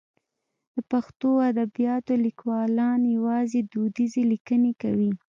د پښتو ادبیاتو لیکوالان یوازې دودیزې لیکنې کوي.